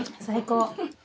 最高。